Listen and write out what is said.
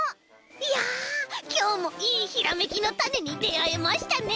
いやきょうもいいひらめきのたねにであえましたね！